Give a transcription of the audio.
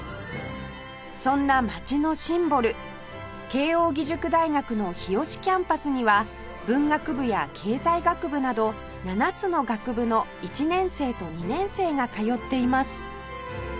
慶應義塾大学の日吉キャンパスには文学部や経済学部など７つの学部の１年生と２年生が通っています